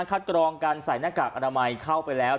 กรองการใส่หน้ากากอนามัยเข้าไปแล้ว